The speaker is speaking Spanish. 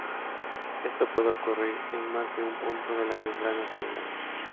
Esto puede ocurrir en más de un punto de la membrana celular.